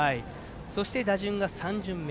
そして、打順が３巡目。